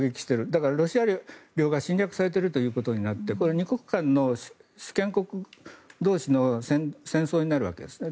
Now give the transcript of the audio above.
だから、ロシア領が侵略されているということになってこれは２国間の主権国同士の戦争になるわけですね。